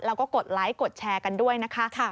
แล้วก็กดไลค์กดแชร์กันด้วยนะคะ